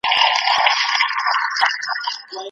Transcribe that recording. شرنګ د خپل رباب یم له هر تار سره مي نه لګي